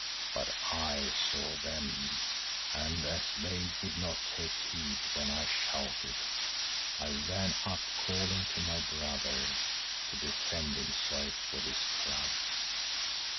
But I saw them and as they would not take heed when I shouted, I ran up calling to my brother to defend himself with his club.